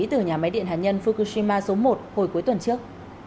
từ nhà máy điện hạt nhân fukushima số một hồi cuối tuần trước